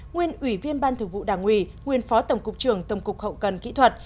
nguyên ủy viên ban thường vụ đảng ủy nguyên phó tổng cục trưởng tổng cục hậu cần kỹ thuật